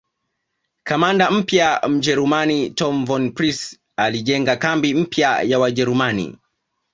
Kamanda mpya Mjerumani Tom Von Prince alijenga kambi mpya ya Wajerumani